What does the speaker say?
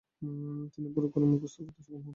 তিনি পুরো কুরআন মুখস্থ করতে স্বক্ষম হন ।